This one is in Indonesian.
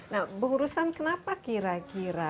nah berurusan kenapa kira kira